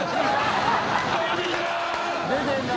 ・出てんな。